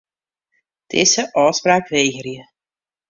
Dizze ôfspraak wegerje.